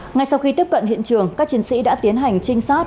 ngay sau khi tiếp cận hiện trường các chiến sĩ đã tiến hành trinh sát